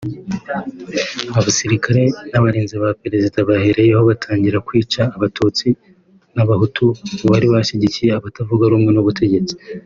abasirikare n’abarinzi ba Perezida bahereyeho batangira kwica abatutsi n’abahutu bari bashyigikiye abatavuga rumwe n’ubutegetsi